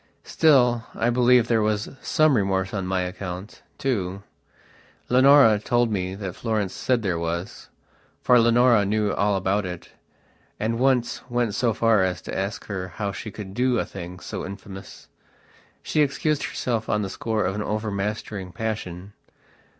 Still, I believe there was some remorse on my account, too. Leonora told me that Florence said there wasfor Leonora knew all about it, and once went so far as to ask her how she could do a thing so infamous. She excused herself on the score of an overmastering passion.